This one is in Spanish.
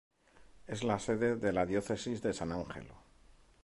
Es la sede de la Diócesis de San Angelo.